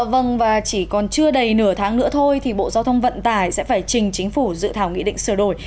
vâng và chỉ còn chưa đầy nửa tháng nữa thôi thì bộ giao thông vận tải sẽ phải trình chính phủ dự thảo nghị định sửa đổi